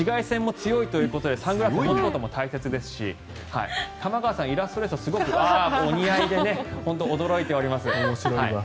紫外線も強いということでサングラスを持つことも大切ですし玉川さん、イラストですとお似合いで本当に驚いております。